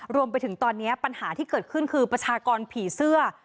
รวมไปถึงตอนนี้ปัญหาที่เกิดขึ้นคือประชากรผีเสื้อ